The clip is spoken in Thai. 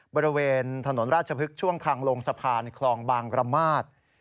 บริเวณถนนราชพฤกษ์ช่วงทางลงสะพานคลองบางระมาท